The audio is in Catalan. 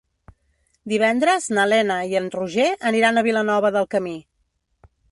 Divendres na Lena i en Roger aniran a Vilanova del Camí.